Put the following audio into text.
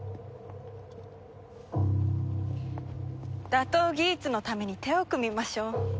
打倒ギーツのために手を組みましょう。